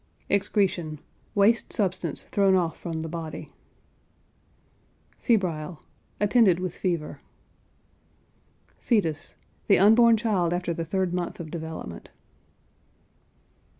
EXCRETION. Waste substance thrown off from the body. FEBRILE. Attended with fever. FETUS. The unborn child after the third month of development.